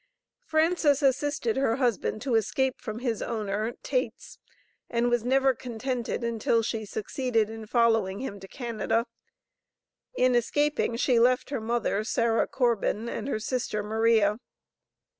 Frances assisted her husband to escape from his owner Taits and was never contented until she succeeded in following him to Canada. In escaping, she left her mother, Sarah Corbin, and her sister, Maria.